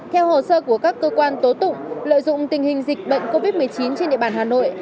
theo hồ sơ của các cơ quan tố tụng lợi dụng tình hình dịch bệnh covid một mươi chín trên địa bàn hà nội